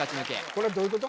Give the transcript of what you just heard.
これはどういうこと？